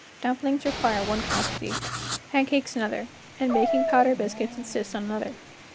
Dumplings require one quantity, pancakes another, and baking powder biscuits insist on another.